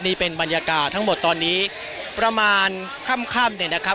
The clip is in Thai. นี่เป็นบรรยากาศทั้งหมดตอนนี้ประมาณค่ำเนี่ยนะครับ